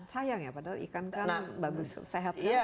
sayang ya padahal ikan kan bagus sehat selalu